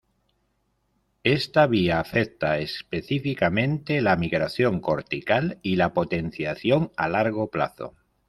Esta vía afecta específicamente la migración cortical y la potenciación a largo plazo.